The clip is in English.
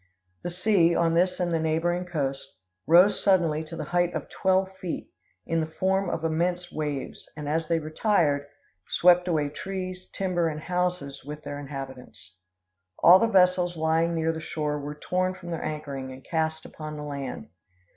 The sea, on this and the neighboring coast, rose suddenly to the height of twelve feet, in the form of immense waves, and, as they retired, swept away trees, timber, and houses with their inhabitants. All the vessels lying near the shore were torn from their anchoring and cast upon the land.